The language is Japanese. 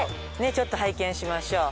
ちょっと拝見しましょう。